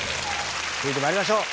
続いて参りましょう。